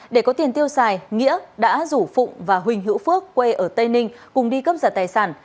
để có tiền tiêu xài nghĩa đã rủ phụng và huỳnh hữu phước quê ở tây ninh cùng đi cấp giật tài sản